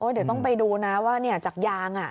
เดี๋ยวต้องไปดูนะว่าจากยาง